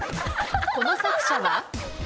この作者は？